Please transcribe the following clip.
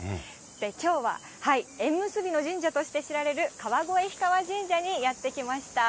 きょうは縁結びの神社として知られる川越氷川神社にやって来ました。